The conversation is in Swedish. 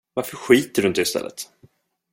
Varför skiter du inte istället?